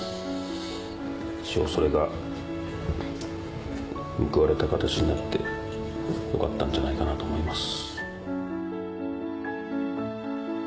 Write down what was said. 一応それが報われた形になってよかったんじゃないかなと思います。